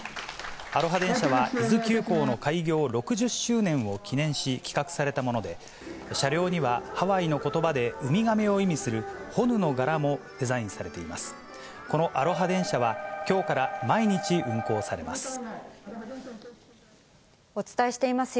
アロハ電車は、伊豆急行の開業６０周年を記念し企画されたもので、車両には、ハワイのことばでウミガメを意味するホヌの柄もデザインされています。